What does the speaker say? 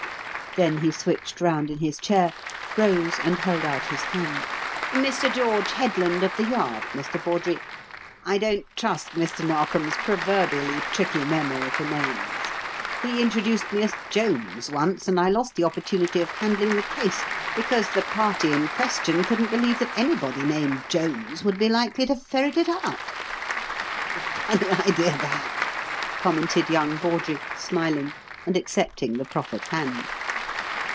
Then he switched round in his chair, rose, and held out his hand. "Mr. George Headland, of the Yard, Mr. Bawdrey. I don't trust Mr. Narkom's proverbially tricky memory for names. He introduced me as Jones once, and I lost the opportunity of handling the case because the party in question couldn't believe that anybody named Jones would be likely to ferret it out." "Funny idea, that!" commented young Bawdrey, smiling, and accepting the proffered hand.